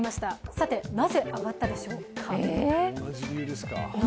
さて、なぜ上がったでしょうか。